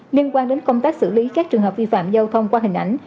liên quan đến công tác xử lý các trường hợp vi phạm giao thông qua hình ảnh